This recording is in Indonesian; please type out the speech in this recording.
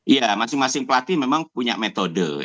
iya masing masing pelatih memang punya metode